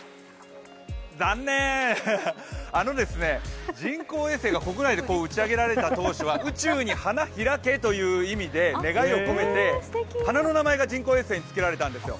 残念、人工衛星が国内で打ち上げられた当初は宇宙に花開けという意味で願いを込めて花の名前が人工衛星につけられたんですよ。